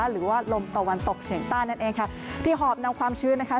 หรือว่าลมตะวันตกเฉียงใต้นั่นเองค่ะที่หอบนำความชื้นนะคะ